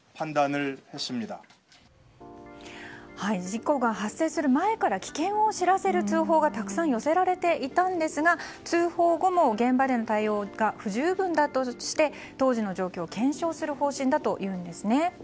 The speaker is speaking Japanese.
事故が発生する前から危険を知らせる通報がたくさん寄せられていたんですが通報後も現場での対応が不十分だったとして当時の状況を検証する方針だというんですね。